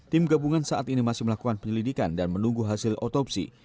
tim gabungan saat ini masih melakukan penyelidikan dan menunggu hasil otopsi